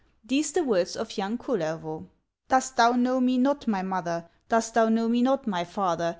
These the words of young Kullervo: "Dost thou know me not, my mother, Dost thou know me not, my father?